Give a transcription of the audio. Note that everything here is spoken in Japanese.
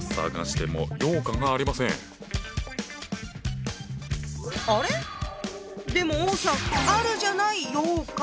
でも王さんあるじゃない羊羹！